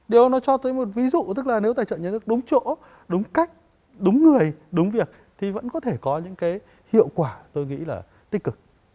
điều nó cho tới một ví dụ tức là nếu tài trợ nhà nước đúng chỗ đúng cách đúng người đúng việc thì vẫn có thể có những cái hiệu quả tôi nghĩ là tích cực